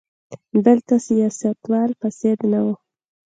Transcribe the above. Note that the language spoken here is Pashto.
دلته سیاستوال فاسد نه وو.